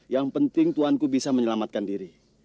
yang penting tuan ku bisa menyelamatkan diri